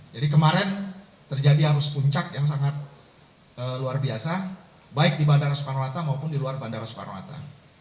jadi kemarin terjadi arus puncak yang sangat luar biasa baik di bandara soekarno hatta maupun di luar bandara soekarno hatta